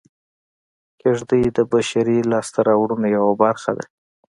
کېږدۍ د بشري لاسته راوړنو یوه برخه ده